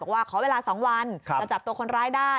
ว่าขอเวลา๒วันจะจับตัวคนร้ายได้